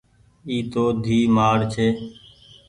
اي تو ڌيئي مآڙ ڇي۔